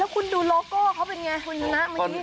แล้วคุณดูโลโก้เค้าเป็นไง